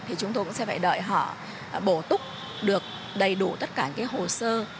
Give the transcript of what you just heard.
thì chúng tôi cũng sẽ phải đợi họ bổ túc được đầy đủ tất cả cái hồ sơ